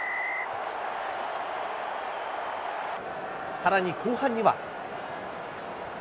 さらに後半には。